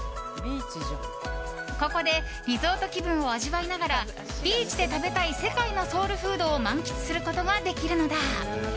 ここでリゾート気分を味わいながらビーチで食べたい世界のソウルフードを満喫することができるのだ。